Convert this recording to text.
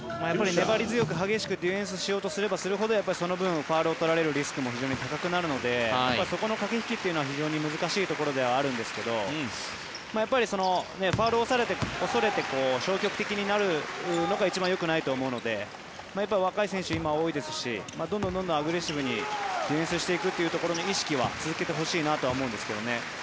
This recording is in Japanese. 粘り強く激しくディフェンスしようとすればするほどその分、ファウルを取られるリスクも高くなるのでそこの駆け引きというのは難しいところではあるんですがやっぱり、ファウルを恐れて消極的になるのが一番よくないと思うので若い選手が今、多いですしどんどんアグレッシブにディフェンスしていくというところに続けてほしいなとは思うんですけどね。